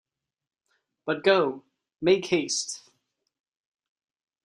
But go — make haste!